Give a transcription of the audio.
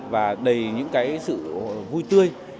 và đầy những cái sự vui tươi